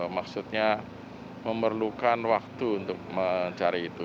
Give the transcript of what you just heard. maksudnya memerlukan waktu untuk mencari itu